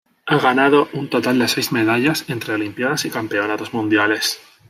Ha ganado un total de seis medallas entre Olimpiadas y Campeonatos Mundiales.